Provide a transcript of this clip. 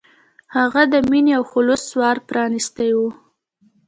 د هغه د مینې او خلوص ور پرانستی و.